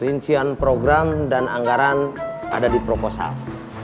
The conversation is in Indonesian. rincian program dan anggaran ada di proposal